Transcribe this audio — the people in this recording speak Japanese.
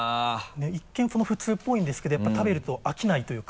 一見普通っぽいんですけどやっぱ食べると飽きないというか